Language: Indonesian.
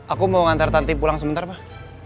aku mau ntar tanti pulang sebentar pak